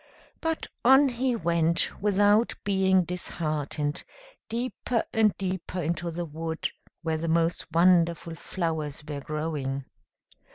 But on he went, without being disheartened, deeper and deeper into the wood, where the most wonderful flowers were growing.